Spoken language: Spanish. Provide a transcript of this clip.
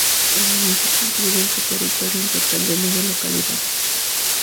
El municipio incluye en su territorio un total de nueve localidades.